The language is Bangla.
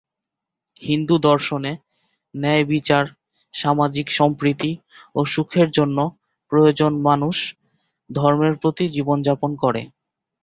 হিন্দু দর্শনে, ন্যায়বিচার, সামাজিক সম্প্রীতি ও সুখের জন্য প্রয়োজন মানুষ ধর্মের প্রতি জীবনযাপন করে।